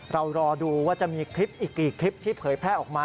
รอดูว่าจะมีคลิปอีกกี่คลิปที่เผยแพร่ออกมา